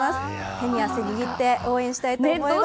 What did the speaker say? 手に汗握って応援したいと思います。